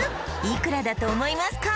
いくらだと思いますか？